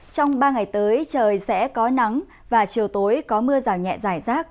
trong ba ngày tới trời sẽ có nắng và chiều tối có mưa rào nhẹ giải rác